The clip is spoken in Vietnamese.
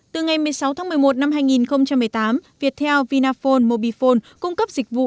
từ ngày một mươi sáu tháng một mươi một năm hai nghìn một mươi tám viettel vinaphone mobifone cung cấp dịch vụ